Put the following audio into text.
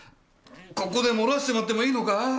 ここでもらしちまってもいいのか？